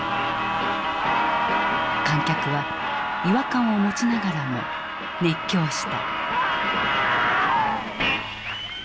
観客は違和感を持ちながらも熱狂した。